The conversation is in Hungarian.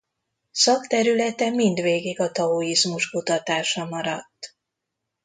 Szakterülete mindvégig a taoizmus kutatása maradt.